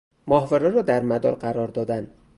ماهواره را در مدار قرار دادن